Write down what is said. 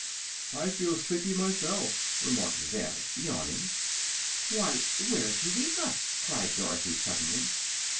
"I feel sleepy myself," remarked Zeb, yawning. "Why, where's Eureka?" cried Dorothy, suddenly.